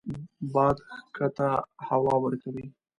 باد کښت ته هوا ورکوي